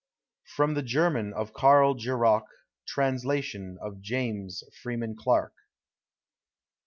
From the German of KARL GKROCK. Translation of JAMES FREEMAN CLARKE.